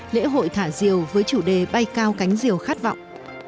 lễ hội thả diều với chủ đề bay cao cánh diều khát vọng